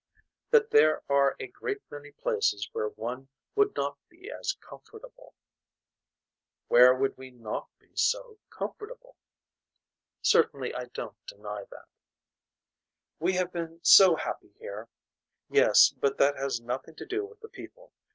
That there are a great many places where one would not be as comfortable. Where we would not be so comfortable. Certainly I don't deny that. We have been so happy here. Yes but that has nothing to do with the people.